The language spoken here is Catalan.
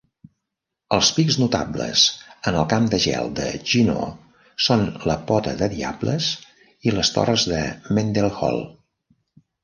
Els pics notables en el camp de gel de Juneau són la pota de diables i les torres de Mendenhall.